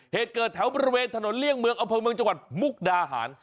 เหตุเกิดแถวบริเวณถนนเลี่ยงเมืองอำเภอเมืองจังหวัดมุกดาหาร